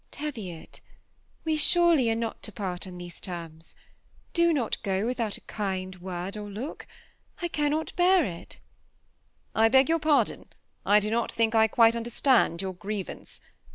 " Teviot, we surely are not to part on these terms. Do not go without a kind word or look, — I cannot bear itf ^' I beg your pardon, I do not think I quite understand your grievance.